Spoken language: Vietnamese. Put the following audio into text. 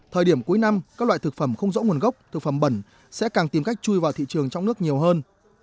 thời điểm cuối năm các loại thực phẩm không rõ nguồn gốc thực phẩm bẩn sẽ càng tìm cách chui vào thị trường trong nước nhiều hơn